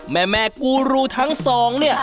แม่กูรูทั้งสองเนี่ย